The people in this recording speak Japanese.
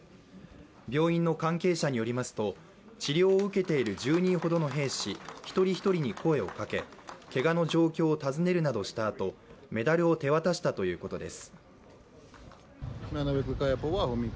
病院の関係者によりますと治療を受けている１０人のほどの兵士一人一人に声をかけ、けがの状況を尋ねるなどしたあとメダルを手渡したということです。